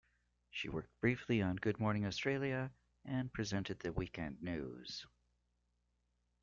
She worked briefly on "Good Morning Australia" and presented the weekend news.